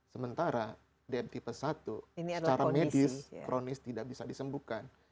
sementara dm tipe satu secara medis kronis tidak bisa disembuhkan